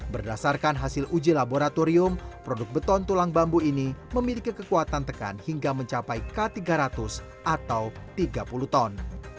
berdasarkan hasil uji laboratorium produk beton tulang bambu ini memiliki kekuatan tekan hingga mencapai k tiga ratus atau tiga puluh ton